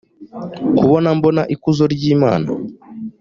kubona mbona ikuzo ry imana